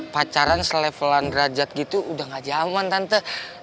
pacaran selevelan rajad gitu udah gak jaman tante